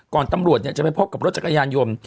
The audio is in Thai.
ตำรวจจะไปพบกับรถจักรยานยนต์